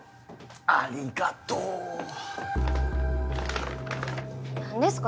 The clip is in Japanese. ありがとう何ですか？